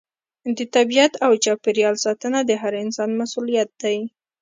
د طبیعت او چاپیریال ساتنه د هر انسان مسؤلیت دی.